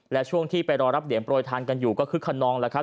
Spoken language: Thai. และช่วงที่ไปรอรับเหรียญโปรยทานกันอยู่ก็คึกขนองแล้วครับ